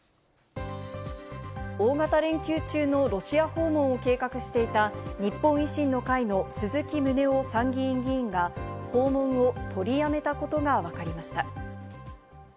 大型連休中のロシア訪問を計画していた日本維新の会の鈴木宗男参議院議員が訪問を取りやめたことがわかりました。